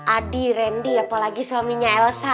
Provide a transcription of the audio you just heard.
adi randy apalagi suaminya elsa